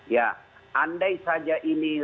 ya andai saja ini